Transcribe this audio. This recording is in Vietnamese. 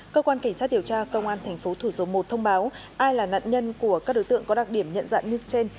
cơ quan cảnh sát điều tra công an tp thủ dầu một thông báo ai là nạn nhân của các đối tượng có đặc điểm nhận dạng như trên